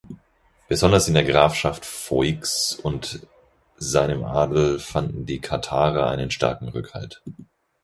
Besonders in der Grafschaft Foix und seinem Adel fanden die Katharer einen starken Rückhalt.